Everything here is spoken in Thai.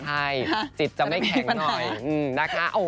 ใช่จิตจะไม่แข็งหน่อยนะคะ